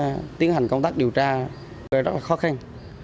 dấu vết để tiến hành công tác điều tra rất là khó khăn